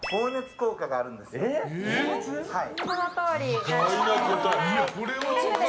そのとおりです。